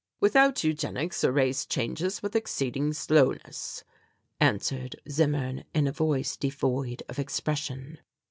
"Without Eugenics, a race changes with exceeding slowness," answered Zimmern in a voice devoid of expression.